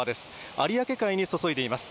有明海に注いでいます。